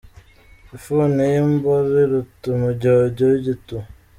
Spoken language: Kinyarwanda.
Ifuni y’imboro iruta umujyojyo w’igituba.